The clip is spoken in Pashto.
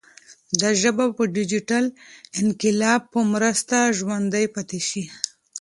دا ژبه به د ډیجیټل انقلاب په مرسته ژوندۍ پاتې شي.